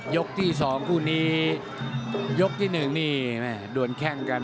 ยกที่สองคู่นี้ยกที่หนึ่งดวนแค่งกัน